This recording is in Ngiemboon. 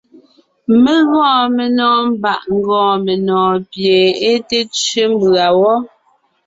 Mé gɔɔn menɔ̀ɔn mbàʼ ńgɔɔn menɔ̀ɔn pie é té tsẅé mbʉ̀a wɔ́.